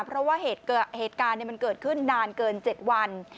เพราะว่าเหตุการณ์มันเกิดขึ้นนานเกิน๗วัน